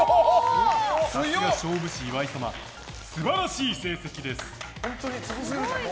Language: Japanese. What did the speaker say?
さすが勝負師・岩井様素晴らしい成績です。